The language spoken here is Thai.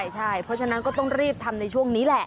ใช่เพราะฉะนั้นก็ต้องรีบทำในช่วงนี้แหละ